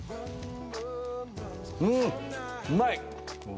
うんうまい！